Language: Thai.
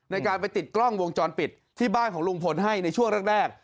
ในการไปติดกล้องวงจรปิดที่บ้านของลุงพลให้ในช่วงแรก